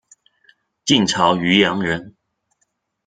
晋朝渔阳人。